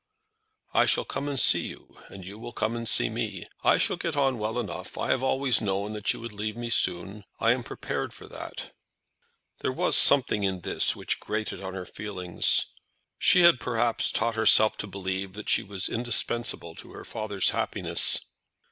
"I shall come and see you, and you will come and see me. I shall get on well enough. I have always known that you would leave me soon. I am prepared for that." There was something in this which grated on her feelings. She had, perhaps, taught herself to believe that she was indispensable to her father's happiness.